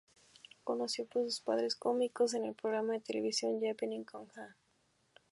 Conocido por sus papeles cómicos en el programa de televisión "Jappening con Ja".